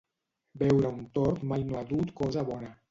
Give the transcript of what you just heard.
Veure un tort mai no ha dut cosa bona.